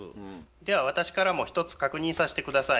では私からも一つ確認させて下さい。